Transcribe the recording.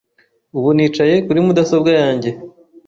Ubu nicaye kuri mudasobwa yanjye.